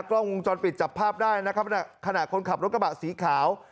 กล้องวงจรปิดจับภาพได้นะครับขณะคนขับรถกระบะสีขาว